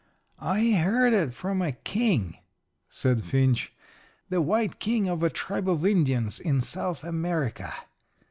"I heard it from a king," said Finch "the white king of a tribe of Indians in South America."